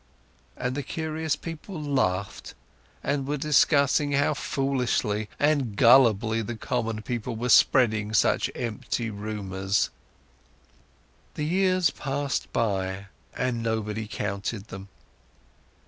And the curious people laughed and were discussing how foolishly and gullibly the common people were spreading such empty rumours. The years passed by, and nobody counted them.